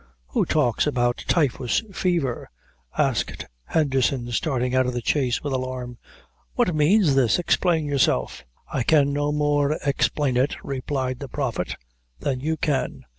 "Who talks about typhus fever?" asked Henderson, starting out of the chaise with alarm. "What means this? Explain yourself." "I can no more explain it," replied the Prophet, "than you can.